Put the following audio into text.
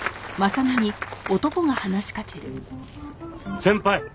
先輩！